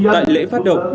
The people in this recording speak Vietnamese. tại lễ phát động